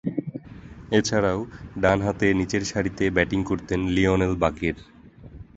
এছাড়াও, ডানহাতে নিচেরসারিতে ব্যাটিং করতেন লিওনেল বাকের।